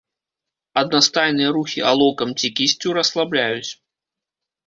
Аднастайныя рухі алоўкам ці кісцю расслабляюць.